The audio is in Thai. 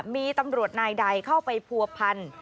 มีตำรวจนายใดเข้าไปผัวพัน